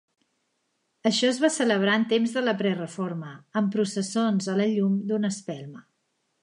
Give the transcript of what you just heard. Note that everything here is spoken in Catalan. Això es va celebrar en temps de la prereforma amb processons a la llum d'una espelma.